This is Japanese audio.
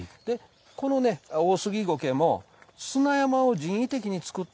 このオオスギゴケも砂山を人為的に作って